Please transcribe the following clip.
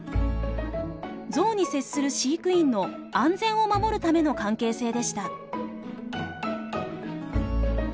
ゾウに接する飼育員の安全を守るための関係性でした。